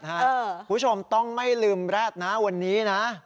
คุณผู้ชมต้องไม่ลืมแร็ดนะวันนี้นะ